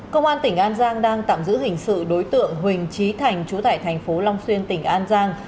công an tỉnh an giang đang tạm giữ hình sự đối tượng huỳnh trí thành chú thải tp long xuyên tỉnh an giang